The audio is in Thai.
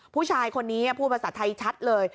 ผู้ชายคนนี้พูดภาษาไทยชัดเลย